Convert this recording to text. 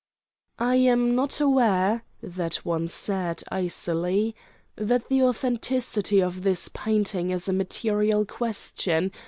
"I am not aware," that one said, icily, "that the authenticity of this painting is a material question.